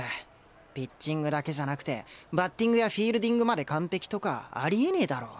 ピッチングだけじゃなくてバッティングやフィールディングまで完璧とかありえねえだろ。